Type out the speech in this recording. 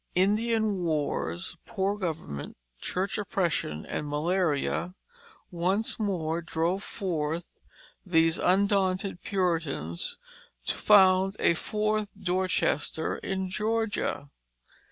Indian wars, poor government, church oppression, and malaria once more drove forth these undaunted Puritans to found a fourth Dorchester in Georgia.